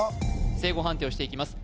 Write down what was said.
正誤判定をしていきます